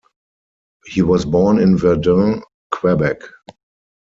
He was born in Verdun, Quebec.